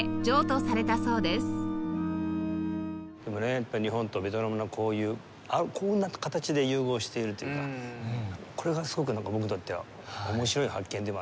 やっぱり日本とベトナムのこういうこんな形で融合しているというかこれがすごく僕にとっては面白い発見でもありましたね。